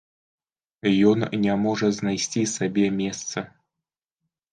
Ён не можа знайсцi сабе месца...